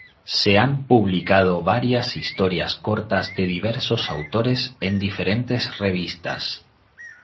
Se han publicado varias historias cortas de diversos autores en diferentes revistas.